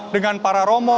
dengan para romo